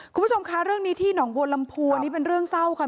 คุณผู้ชมคะเรื่องนี้ที่หนองบัวลำพูอันนี้เป็นเรื่องเศร้าค่ะ